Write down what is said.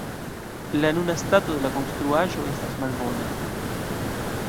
La nuna stato de la konstruaĵo estas malbona.